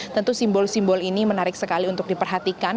tentu simbol simbol ini menarik sekali untuk diperhatikan